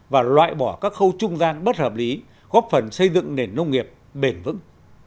và loại bỏ các khâu trung gian bất hợp lý góp phần xây dựng nền nông nghiệp bền vững